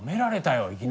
いきなり。